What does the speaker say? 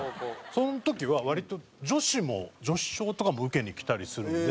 その時は割と女子も女子商とかも受けに来たりするんで。